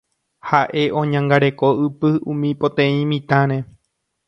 ha'e oñangareko ypy umi poteĩ mitãre